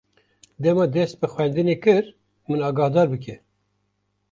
Dema te dest bi xwendinê kir, min agahdar bike.